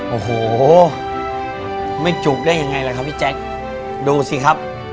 โอ้โหไม่จุกได้ยังไงล่ะครับพี่แจ๊คดูสิครับ